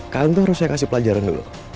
kalian tuh harus saya kasih pelajaran dulu